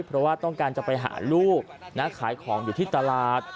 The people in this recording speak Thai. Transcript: เพราะว่าต้องการจะไปหาลูกนะขายของอยู่ที่ตลาด